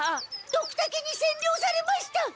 ドクタケにせんりょうされました！